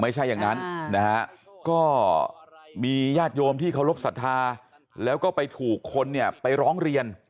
ไม่ใช่อย่างนั้นนะฮะก็มีญาติโยมที่เคารพสัทธาแล้วก็ไปถูกคนเนี่ยไปร้องเรียน